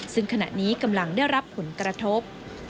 ซึ่งขณะนี้กำลังได้รับผลกระทบ